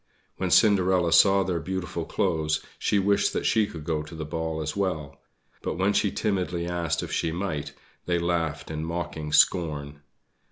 When Cinderella saw their beautiful clothes she wished that she could go to the ball as well; but when she timidly asked if she might, they laughed in mocking scorn.